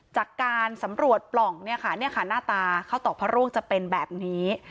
จากการสำรวจปล่องเนี่ยค่ะหน้าตาข้าวตอกพระร่วงจะเป็นแบบนี้